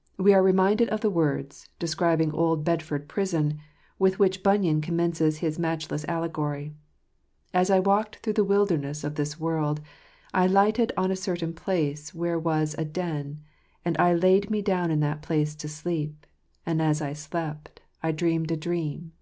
" We are reminded of the words, describing old Bedford prison, with which Bunyan commences his matchless allegory : "As I walked through the wilderness of this world, I lighted on a certain place where was a den, and I laid me down in that place to sleep; and, as I slept, I dreamed a dream."